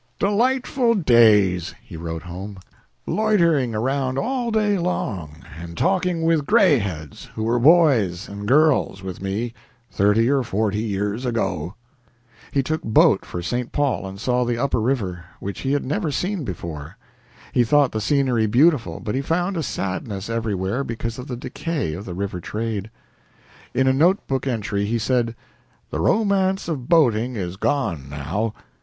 "Delightful days," he wrote home, "loitering around all day long, and talking with grayheads who were boys and girls with me thirty or forty years ago." He took boat for St. Paul and saw the upper river, which he had never seen before. He thought the scenery beautiful, but he found a sadness everywhere because of the decay of the river trade. In a note book entry he said: "The romance of boating is gone now.